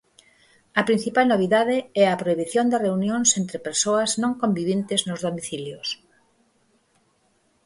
A principal novidade é a prohibición das reunións entre persoas non conviventes nos domicilios.